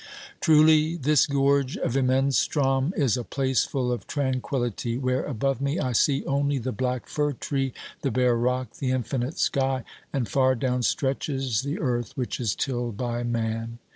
OBERMANN 303 Truly this gorge of Imenstrom is a place full of tran quillity, where above me I see only the black fir tree, the bare rock, the infinite sky, and far down stretches the earth which is tilled by man.